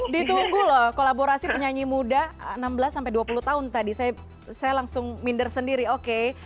ditunggu loh kolaborasi penyanyi muda enam belas sampai dua puluh tahun tadi saya langsung minder sendiri oke